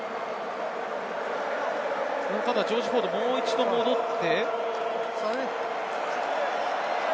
ただジョージ・フォード、もう一度戻って。